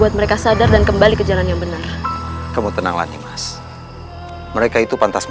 nampaknya bukan tandingan kita